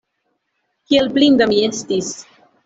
Kiel blinda mi estis!